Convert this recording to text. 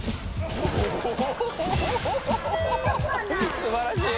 すばらしい！